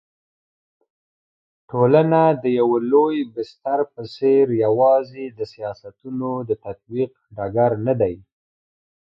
ټولنه د يوه لوی بستر په څېر يوازي د سياستونو د تطبيق ډګر ندی